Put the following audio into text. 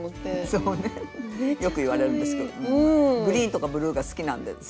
そうねよく言われるんですけどもグリーンとかブルーが好きなんですぐに使いたがる。